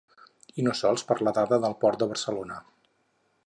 I no sols per la dada del port de Barcelona.